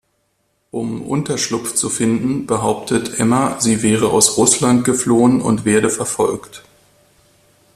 Um Unterschlupf zu finden, behauptet Emma, sie wäre aus Russland geflohen und werde verfolgt.